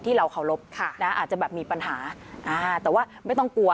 เราเคารพอาจจะแบบมีปัญหาแต่ว่าไม่ต้องกลัว